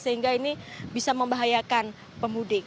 sehingga ini bisa membahayakan pemudik